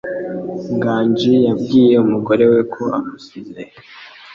Nganji yabwiye umugore we ko amusize.